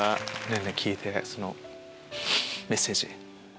れんれん聞いてそのメッセージ。